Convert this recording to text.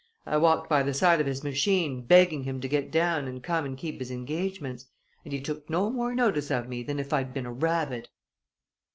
I walked by the side of his machine, begging him to get down and come and keep his engagements, and he took no more notice of me than if I'd been a rabbit!